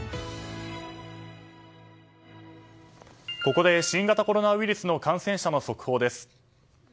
ここで新型コロナウイルスの感染者の速報です。